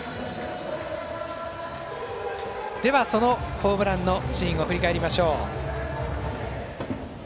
では、そのホームランのシーンを振り返りましょう。